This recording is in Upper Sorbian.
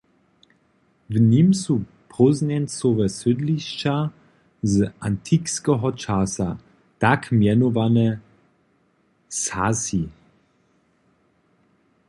W nim su prózdnjeńcowe sydlišća z antikskeho časa, tak mjenowane "Sassi".